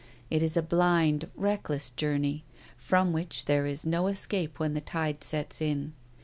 It is a blind, reckless journey, from which there is no escape when the tide sets in.